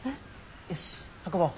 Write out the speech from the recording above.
よし運ぼう。